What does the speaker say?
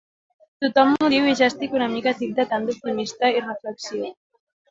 Tothom m'ho diu i ja estic una mica tip de tant d'optimisme irreflexiu.